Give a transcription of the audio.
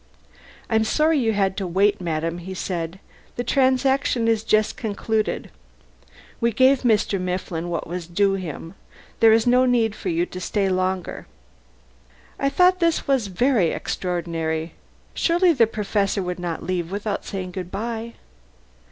"I'm sorry you had to wait, Madam," he said. "The transaction is just concluded. We gave Mr. Mifflin what was due him. There is no need for you to stay longer." I thought this was very extraordinary. Surely the Professor would not leave without saying good bye?